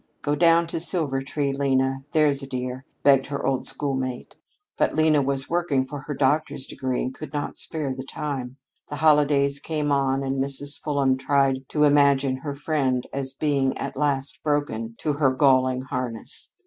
"Go down to Silvertree, Lena, there's a dear," begged her old schoolmate. But Lena was working for her doctor's degree and could not spare the time. The holidays came on, and Mrs. Fulham tried to imagine her friend as being at last broken to her galling harness.